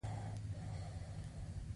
په پایله کې جامې د ماشوم په بدن تنګیږي.